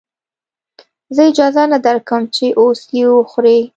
زه اجازه نه درکم چې اوس يې وځورې.